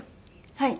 はい。